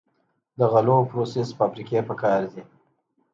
د غلو پروسس فابریکې پکار دي.